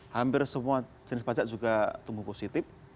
hampir semua jenis pajak juga tumbuh positif